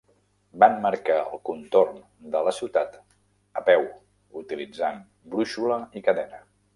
Van marcar el contorn de la ciutat a peu utilitzant brúixola i cadena.